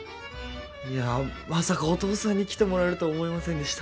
いやまさかお父さんに来てもらえるとは思いませんでした。